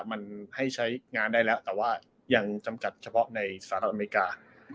มันให้ใช้งานได้แล้วแต่ว่ายังจำกัดเฉพาะในสหรัฐอเมริกา